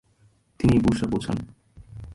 তিনি বুসরা পৌছান।